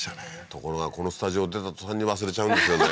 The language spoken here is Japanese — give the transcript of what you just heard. ところがこのスタジオ出た途端に忘れちゃうんですよね